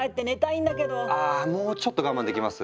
あもうちょっと我慢できます？